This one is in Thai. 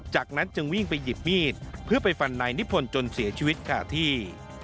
จากนั้นจึงวิ่งไปหยิบมีดเพื่อไปฟันนายนิพนธ์จนเสียชีวิตขาดที่